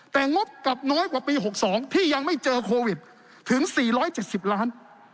แต่งบกับน้อยกว่าปีหกสองที่ยังไม่เจอโควิดถึงสี่ร้อยเจ็ดสิบล้าน